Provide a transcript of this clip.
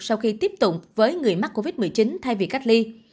sau khi tiếp tục với người mắc covid một mươi chín thay vì cách ly